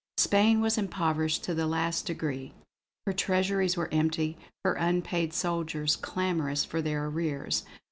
Spain was impoverished to the last degree. Her treasuries were empty, her unpaid soldiers clamourous for their arrears.